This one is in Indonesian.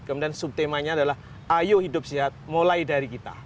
kemudian subtemanya adalah ayo hidup sehat mulai dari kita